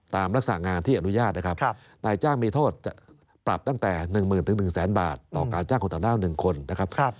ตามลักษณะงานที่อนุญาตนะครับนายจ้างมีโทษปรับตั้งแต่๑๐๐๐๑๐๐๐บาทต่อการจ้างคนต่างด้าว๑คนนะครับ